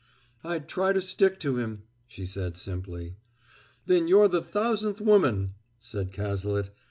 "I'd try to stick to him," she said simply. "Then you're the thousandth woman," said Cazalet.